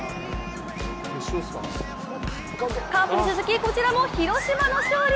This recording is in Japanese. カープに続き、こちらも広島の勝利。